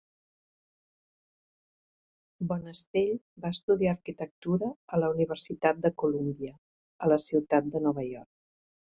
Bonestell va estudiar arquitectura a la Universitat de Columbia, a la ciutat de Nova York.